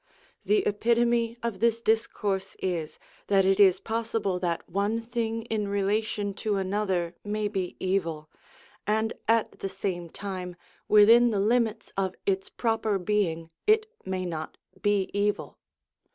The epitome of this discourse is, that it is possible that one thing in relation to another may be evil, and at the same time within the limits of its proper being it may not be evil.